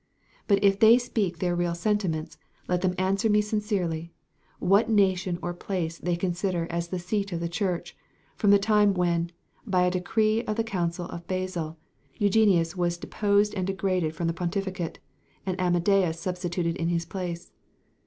But if they speak their real sentiments, let them answer me sincerely, what nation or place they consider as the seat of the Church, from the time when, by a decree of the council of Basil, Eugenius was deposed and degraded from the pontificate, and Amadeus substituted in his place.